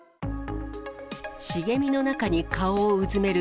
茂みの中に顔をうずめる